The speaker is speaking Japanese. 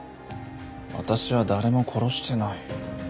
私は誰も殺してない。